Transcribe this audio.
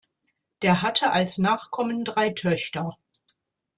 Der hatte als Nachkommen drei Töchter.